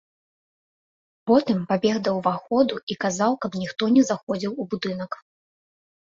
Потым пабег да ўваходу і казаў, каб ніхто не заходзіў у будынак.